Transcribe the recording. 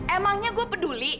emangnya gue peduli